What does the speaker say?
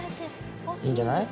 いいんじゃない？